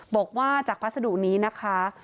บอกว่าจากพัสดุนี้นะคะ